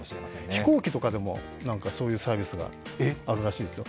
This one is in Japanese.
飛行機とかでもそういうサービスがあるらしいですよ。